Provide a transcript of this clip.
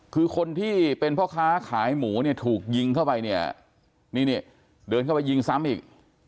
คือคนที่เป็นพ่อค้าขายหมูเนี่ยถูกยิงเข้าไปเนี่ยนี่เดินเข้าไปยิงซ้ำอีก